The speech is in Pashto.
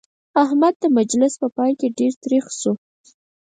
احمد د مجلس په پای کې ډېر تريخ شو.